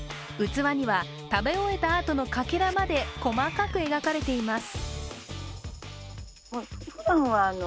器には食べ終えたあとのかけらまで細かく描かれています。